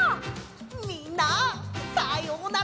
みんなさようなら！